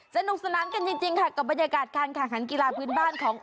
สนุกสนานกันจริงค่ะกับบรรยากาศการแข่งขันกีฬาพื้นบ้านของ